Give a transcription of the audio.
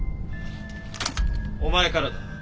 お前からだ。